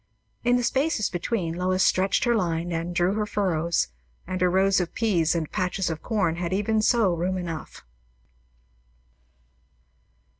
In the spaces between, Lois stretched her line and drew her furrows, and her rows of peas and patches of corn had even so room enough.